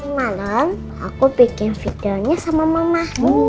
nanti malam aku bikin videonya sama mama